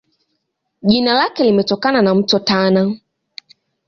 Jina lake limetokana na Mto Tana.